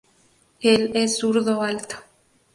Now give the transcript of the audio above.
Él es un zurdo alto.